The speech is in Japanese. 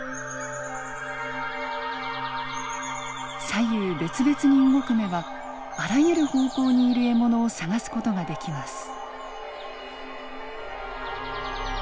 左右別々に動く目はあらゆる方向にいる獲物を探す事ができます。